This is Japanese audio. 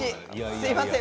すみません